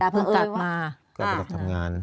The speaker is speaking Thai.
กลับไปจากทำงาน